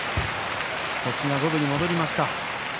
星が五分に戻りました。